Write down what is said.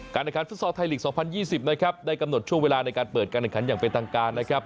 การเนินขันฟุตสอร์ทไทยหลีก๒๐๒๐นะครับได้กำหนดช่วงเวลาในการเปิดการเนินขันอย่างเป็นต่างการนะครับ